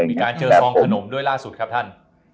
มีการเจอซองขนมด้วยล่าสุดครับท่าน